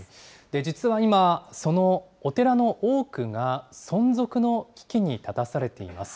実は今、そのお寺の多くが存続の危機に立たされています。